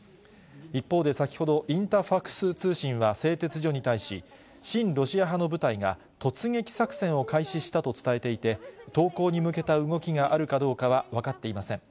一方で先ほど、インタファクス通信は製鉄所に対し、親ロシア派の部隊が突撃作戦を開始したと伝えていて、投降に向けた動きがあるかどうかは分かっていません。